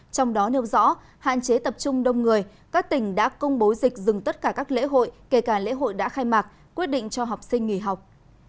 trong đó nêu rõ hạn chế tập trung đông người các tỉnh đã công bố dịch dừng tất cả các lễ hội kể cả lễ hội đã khai mạc quyết định cho học sinh nghỉ học